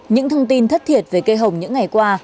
những thông tin thất thiệt về cây hồng những ngày qua